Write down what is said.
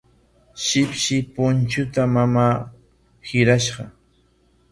Shipshin punchuuta mamaa hirashqa.